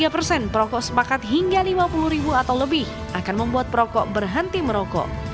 tujuh puluh dua tiga persen perokok sepakat hingga rp lima puluh atau lebih akan membuat perokok berhenti merokok